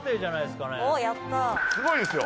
すごいですよ。